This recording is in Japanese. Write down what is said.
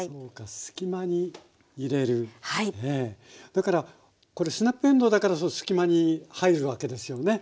だからスナップえんどうだから隙間に入るわけですよね。